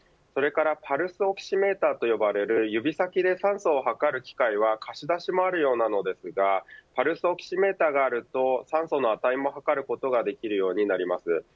それからパルスオキシメーターと呼ばれる指先で酸素を測る機械は貸し出しもあるようなのですがパルスオキシメーターがあると酸素の値も測ることができるようになります。